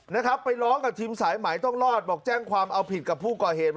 นะครับไปร้องกับทีมสายไหมต้องรอดบอกแจ้งความเอาผิดกับผู้ก่อเหตุ